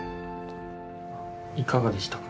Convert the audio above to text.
いかがでしたか？